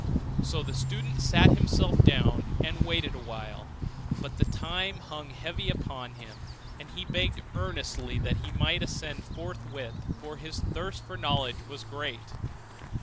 So the student sat himself down and waited a while; but the time hung heavy upon him, and he begged earnestly that he might ascend forthwith, for his thirst for knowledge was great.